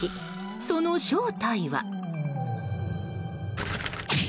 その正体は。